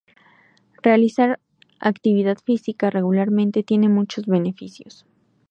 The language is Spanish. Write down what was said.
Realizar actividad física regularmente tiene muchos beneficios.